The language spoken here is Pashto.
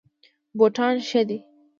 بوټان ښه دي.